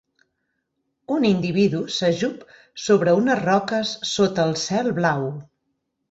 Un individu s'ajup sobre unes roques sota el cel blau.